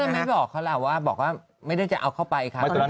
ไม่บอกเขาล่ะว่าบอกว่าไม่ได้จะเอาเข้าไปค่ะ